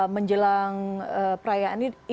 menjelang perayaan ini